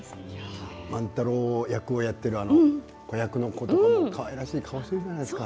万太郎役をやってるあの子役の子どももかわいらしい顔してるじゃないですか。